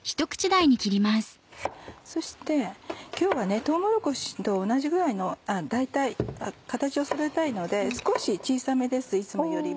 そして今日はとうもろこしと同じぐらいの大体形をそろえたいので少し小さめですいつもよりも。